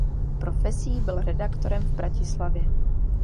Profesí byl redaktorem v Bratislavě.